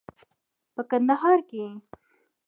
په کندهار کې یې